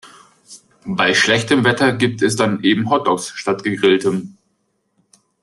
Bei schlechtem Wetter gibt es dann eben Hotdogs statt Gegrilltem.